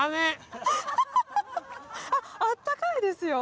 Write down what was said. あったかいですよ。